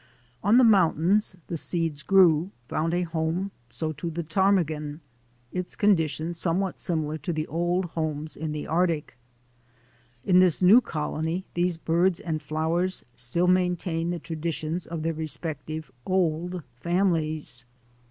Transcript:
On the mountains the seeds grew, found a home; so, too, the ptarmigan, in conditions somewhat similar to the old home in the Arctic. In this new colony these birds and flowers still maintain the traditions of their respective old families.